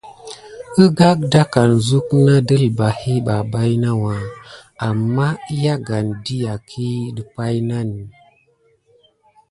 Əgagdakane zuk na dəlbahə ɓa baïnawa, amma əyagane dʼəyagkəhi də paynane.